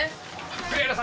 栗原さん